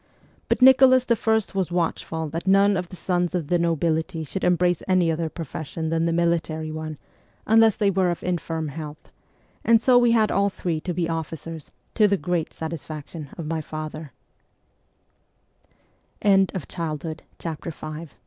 But Nicholas I. was watchful that none of the sons of the nobility should embrace any other profession than the military one, unless they were of infirm health ; and so we had all three to be officers, to the great satisfaction